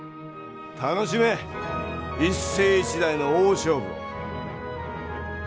楽しめ一世一代の大勝負を！